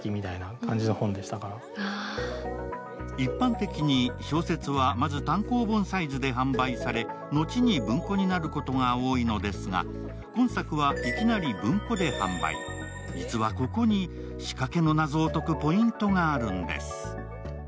一般的に小説は、まず単行本サイズで販売され、後に文庫になることが多いのですが、本作はいきなり文庫で販売実はここに仕掛けの謎を解くポイントがあるのです。